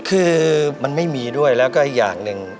คือมันไม่มีด้วยแล้วก็อีกอย่างหนึ่ง